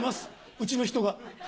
うちの人が。